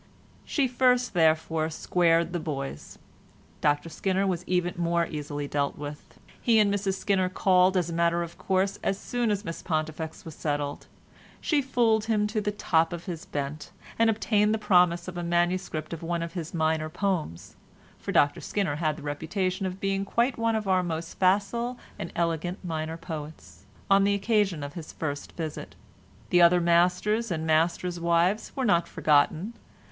She first, therefore, squared the boys. Dr Skinner was even more easily dealt with. He and Mrs Skinner called, as a matter of course, as soon as Miss Pontifex was settled. She fooled him to the top of his bent, and obtained the promise of a MS. copy of one of his minor poems (for Dr Skinner had the reputation of being quite one of our most facile and elegant minor poets) on the occasion of his first visit. The other masters and masters' wives were not forgotten.